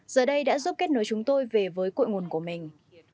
giờ đây đã giúp kết nối chúng tôi về với cội nguồn của mình